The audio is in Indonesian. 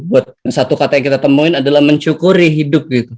buat satu kata yang kita temuin adalah mencukuri hidup gitu